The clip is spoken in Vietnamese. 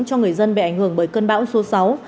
cho người dân bị ảnh hưởng bởi cơn bão số sáu